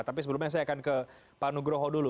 tapi sebelumnya saya akan ke pak nugroho dulu